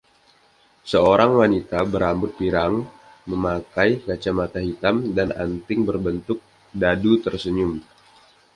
Seorang wanita berambut pirang memakai kacamata hitam dan anting berbentuk dadu tersenyum.